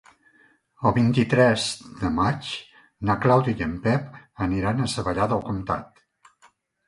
El vint-i-tres de maig na Clàudia i en Pep aniran a Savallà del Comtat.